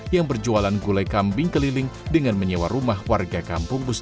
yang berjualan gulai kambing keliling dengan menyewa rumah warga kampung bustari